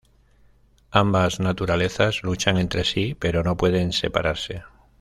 Ambas naturalezas luchan entre sí, pero no pueden separarse.